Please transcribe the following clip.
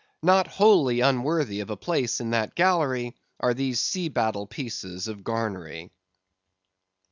Not wholly unworthy of a place in that gallery, are these sea battle pieces of Garnery.